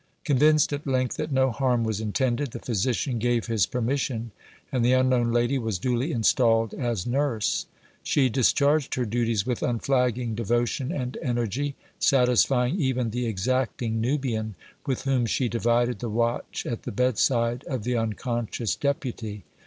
Convinced at length that no harm was intended, the physician gave his permission and the unknown lady was duly installed as nurse. She discharged her duties with unflagging devotion and energy, satisfying even the exacting Nubian, with whom she divided the watch at the bedside of the unconscious deputy.